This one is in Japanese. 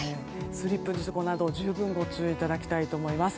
スリップ事故など十分ご注意いただきたいと思います。